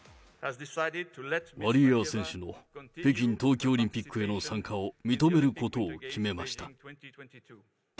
ワリエワ選手の北京冬季オリンピックへの参加を認めることを決めました。